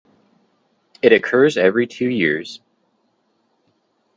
It occurs every two years.